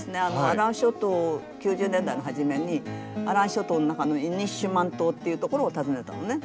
アラン諸島９０年代の初めにアラン諸島の中のイニシュマン島っていうところを訪ねたのね。